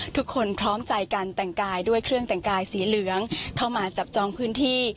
พร้อมใจกันแต่งกายด้วยเครื่องแต่งกายสีเหลืองเข้ามาจับจองพื้นที่